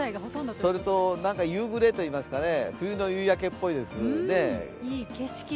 それと夕暮れといいますか冬の夕焼けっぽいですね。